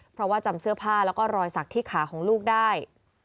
เพราะว่าจำเสื้อผ้าแล้วก็รอยสักที่ขาของลูกได้